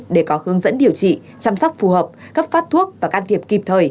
để có hướng dẫn điều trị chăm sóc phù hợp cấp phát thuốc và can thiệp kịp thời